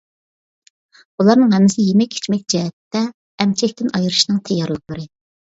بۇلارنىڭ ھەممىسى يېمەك-ئىچمەك جەھەتتە ئەمچەكتىن ئايرىشنىڭ تەييارلىقلىرى.